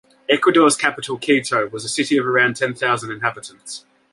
Ecuador's capital Quito was a city of around ten thousand inhabitants.